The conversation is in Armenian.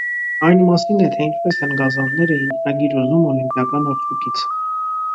Այն մասին է, թե ինչպես են գազանները ինքնագիր ուզում օլիմպիական արջուկից։